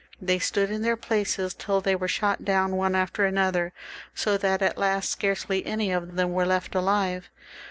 They stood in their places till they were shot down one after another, so that at last scarcely any of them were left alive.